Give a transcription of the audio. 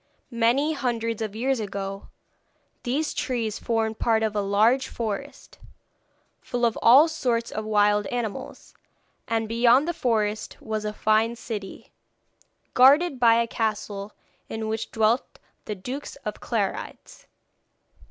Many hundreds of years ago these trees formed part of a large forest, full of all sorts of wild animals, and beyond the forest was a fine city, guarded by a castle in which dwelt the Dukes of Clarides.